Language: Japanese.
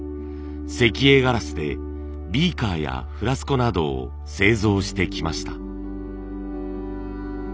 石英ガラスでビーカーやフラスコなどを製造してきました。